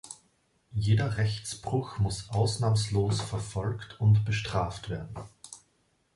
Jeder Rechtsbruch muss ausnahmslos verfolgt und bestraft werden.